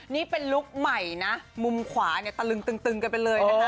นี่เป็นลุคใหม่นะมุมขวาตะลึงตึงกันไปเลย